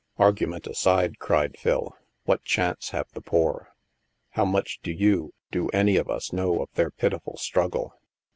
" Argument aside," cried Phil, " what chance have the poor? How much do you, do any of us, know of their pitiful struggle?